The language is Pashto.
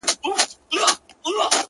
• نه یوه ګوله مړۍ کړه چا وروړاندي -